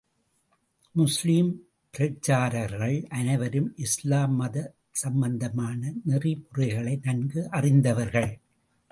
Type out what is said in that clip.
முஸ்லிம் பிரச்சாரகர்கள் அனைவரும் இஸ்லாம் மத சம்பந்தமான நெறிமுறைகளை நன்கு அறிந்தவர்கள்.